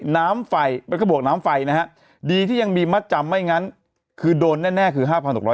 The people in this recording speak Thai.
น้ำไฟมันก็บวกน้ำไฟนะฮะดีที่ยังมีมัดจำไม่งั้นคือโดนแน่คือ๕๖๐๐